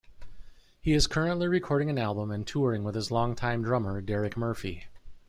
He is currently recording an album and touring with his long-time drummer, Derek Murphy.